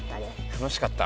楽しかった？